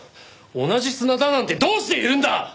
同じ砂だなんてどうしていえるんだ！